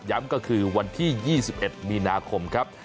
ก็คือวันที่๒๑มีนาคมครับ